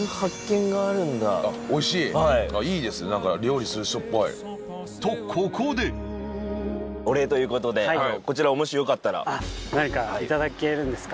おいしいいいですねはい料理する人っぽいとここでこちらをもしよかったら何かいただけるんですか？